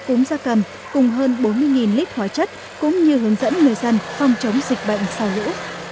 cúm gia cầm cùng hơn bốn mươi lít hóa chất cũng như hướng dẫn người dân phòng chống dịch bệnh sau lũ